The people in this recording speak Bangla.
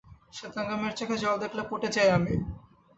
শ্বেতাঙ্গ মেয়ের চোখে জল দেখলে পটে যাই আমি।